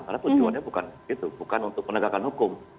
karena tujuannya bukan untuk penegakan hukum